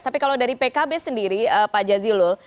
tapi kalau dari pkb sendiri pak jazilul